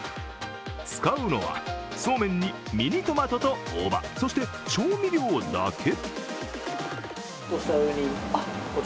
使うのは、そうめんにミニトマトと大葉、そして調味料だけ。